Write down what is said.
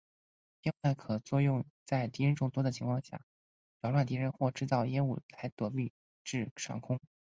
烟雾弹可用作在敌人众多的情况下扰乱敌人或是制造烟雾来躲避至上空。